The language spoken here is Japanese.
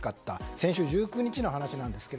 先週１９日の話なんですが。